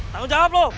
tanggung jawab lu